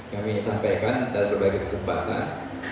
yang ingin disampaikan dalam berbagai kesempatan